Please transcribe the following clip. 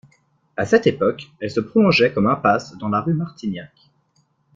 À cette époque, elle se prolongeait comme impasse dans la rue de Martignac.